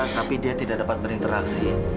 tapi dia tidak dapat berinteraksi